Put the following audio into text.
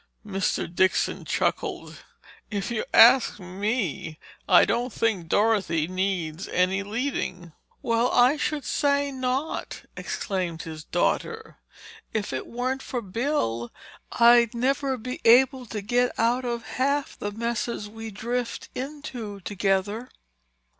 Mr. Dixon chuckled. "If you ask me, I don't think Dorothy needs any leading." "Well, I should say not!" exclaimed his daughter. "If it weren't for Bill, I'd never be able to get out of half the messes we drift into together!"